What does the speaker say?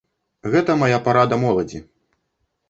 Гэта мая парада моладзі.